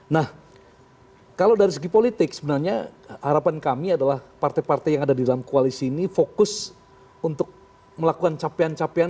nah kalau dari segi politik sebenarnya harapan kami adalah partai partai yang ada di dalam koalisi ini fokus untuk melakukan capaian capaian